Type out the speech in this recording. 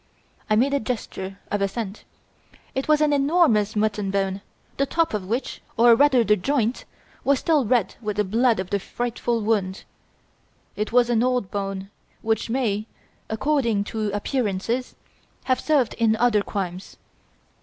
(I made a gesture of assent.) "It was an enormous mutton bone, the top of which, or rather the joint, was still red with the blood of the frightful wound. It was an old bone, which may, according to appearances, have served in other crimes.